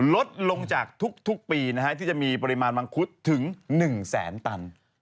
ลดลงจากทุกปีนะฮะที่จะมีปริมาณมังคุดถึง๑แสนตัน